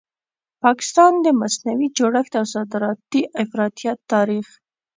پاکستان؛ د مصنوعي جوړښت او صادراتي افراطیت تاریخ